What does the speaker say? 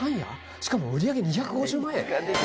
しかも売り上げ２５０万円？